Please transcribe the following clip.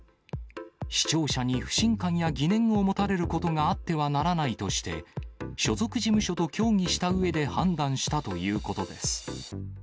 視聴者に不信感や疑念を持たれることがあってはならないとして、所属事務所と協議したうえで判断したということです。